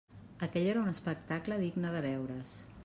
Aquell era un espectacle digne de veure's.